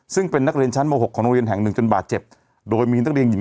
ซึ่งเป็นนักเรียนชั้นม๖ของโรงเรียนแห่งหนึ่งจนบาดเจ็บโดยมีนักเรียนหญิง